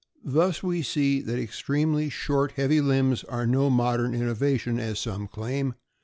Thus we see that extremely short, heavy limbs are no modern innovation, as some claim.